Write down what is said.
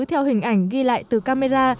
theo hình ảnh ghi lại từ camera